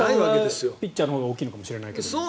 負担はピッチャーのほうが大きいかもしれないけど。